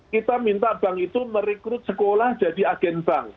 kita minta bank itu merekrut sekolah jadi agen bank